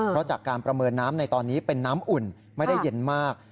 เพราะจากการประเมินน้ำในตอนนี้เป็นน้ำอุ่นไม่ได้เย็นมาก